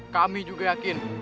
kami juga yakin